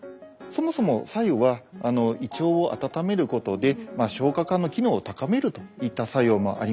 そもそも白湯は胃腸を温めることで消化管の機能を高めるといった作用もあります。